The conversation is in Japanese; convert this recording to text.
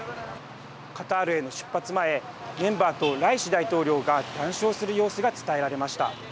カタールへの出発前メンバーとライシ大統領が談笑する様子が伝えられました。